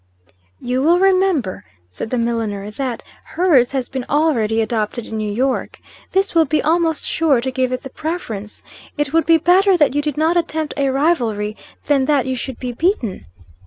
"You will remember," said the milliner, "that hers has been already adopted in New York. This will be almost sure to give it the preference. It would be better that you did not attempt a rivalry, than that you should be beaten."